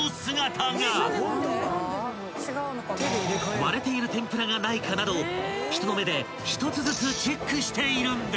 ［割れている天ぷらがないかなど人の目で１つずつチェックしているんです］